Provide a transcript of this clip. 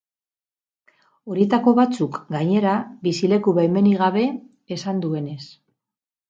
Horietako batzuk, gainera, bizileku-baimenik gabe, esan duenez.